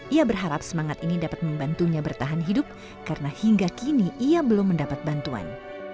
ia berharap semangat ini dapat membantunya bertahan hidup karena hingga kini ia belum mendapat bantuan